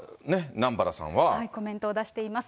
コメントを出しています。